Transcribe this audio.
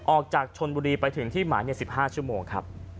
ออกจากชนบุรีไปถึงที่หมาย๑๕ชั่วโมงครับ